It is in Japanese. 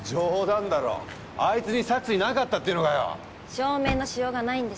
証明のしようがないんです。